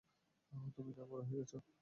তুমি না বড় হয়ে গেছ!